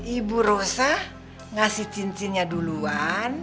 ibu rosa ngasih cincinnya duluan